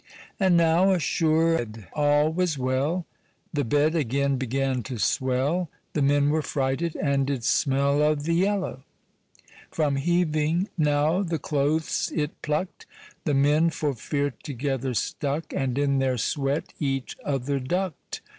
And now (assured all was well) The bed again began to swell, The men were frighted, and did smell O' th' yellow. From heaving, now the cloaths it pluckt The men, for feare, together stuck, And in their sweat each other duck't.